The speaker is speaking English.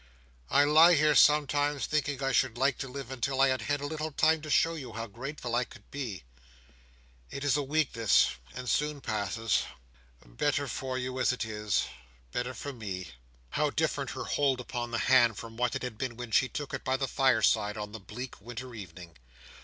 "I lie here, sometimes, thinking I should like to live until I had had a little time to show you how grateful I could be! It is a weakness, and soon passes. Better for you as it is. Better for me!" How different her hold upon the hand, from what it had been when she took it by the fireside on the bleak winter evening!